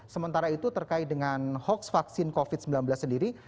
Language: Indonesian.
sementara itu terkait dengan hoax vaksin covid sembilan belas sendiri